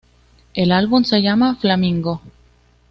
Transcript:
El álbum se llama "Flamingo".